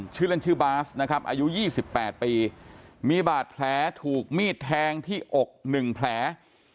ชื่อเล่นชื่อบาสนะครับอายุ๒๘ปีมีบาดแผลถูกมีดแทงที่อก๑แผล